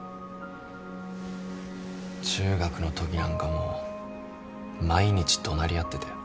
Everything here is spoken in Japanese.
中学のときなんかもう毎日怒鳴り合ってたよ。